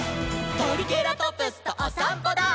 「トリケラトプスとおさんぽダー！！」